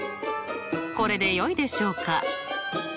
これでよいでしょうか？